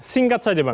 singkat saja bang